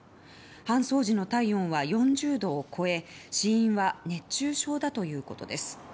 搬送時の体温は４０度を超え死因は熱中症だということです。